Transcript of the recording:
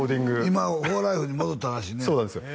今フォーライフに戻ったらしいねそうなんですよ